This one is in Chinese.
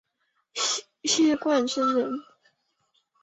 谢冠生人。